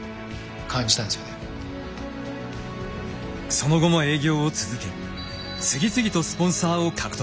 その後も営業を続け次々とスポンサーを獲得。